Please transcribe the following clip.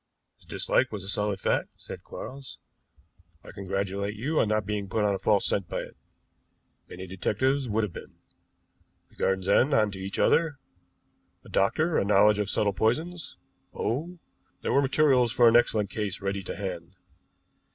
"His dislike was a solid fact," said Quarles. "I congratulate you on not being put on a false scent by it. Many detectives would have been. The gardens end on to each other a doctor, a knowledge of subtle poisons oh, there were materials for an excellent case ready to hand."